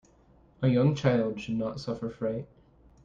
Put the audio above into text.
A young child should not suffer fright.